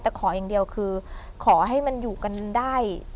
แต่ขออย่างเดียวคือขอให้มันอยู่กันได้